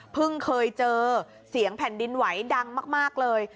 เคยเจอเสียงแผ่นดินไหวดังมากเลย